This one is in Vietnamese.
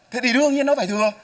thế thì đương nhiên nó phải thừa